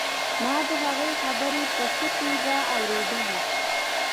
ما د هغوی خبرې په ښه توګه اورېدلې